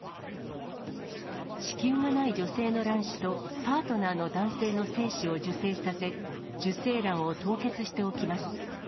子宮がない女性の卵子と、パートナーの男性の精子を受精させ、受精卵を凍結しておきます。